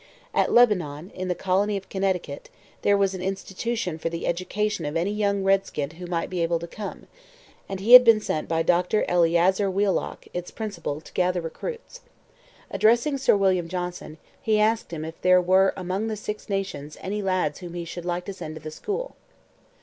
At Lebanon, in the colony of Connecticut, there was an institution for the education of any young redskin who might be able to come, and he had been sent by Doctor Eleazar Wheelock, its principal, to gather recruits. Addressing Sir William Johnson, he asked him if there were among the Six Nations Indians any lads whom he should like to send to the school.